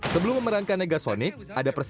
sebelum memiliki peran di deadpool